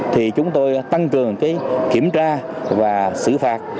thì chúng tôi tăng cường kiểm tra và xử phạt